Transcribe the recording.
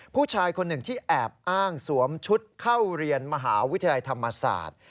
ผู้ชายคนหนึ่งที่แอบอ้างสวมชุดเข้าเรียนมหาวิทยาลัยธรรมศาสตร์